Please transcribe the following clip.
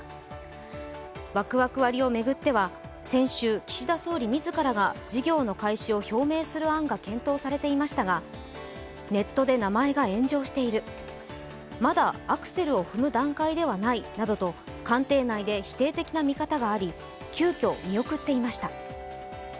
ワクワク割を巡っては先週、岸田総理自らが事業の開始を表明する案が検討されていましたが、ネットで名前が炎上している、まだアクセルを踏む段階ではないなどと官邸内で否定的な見方があり、急きょ見送っていました。